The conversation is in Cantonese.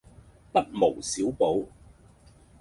不無小補